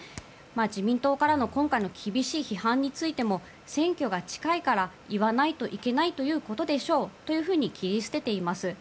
自民党からの今回の厳しい批判についても選挙が近いから言わないといけないということでしょうと切り捨てています。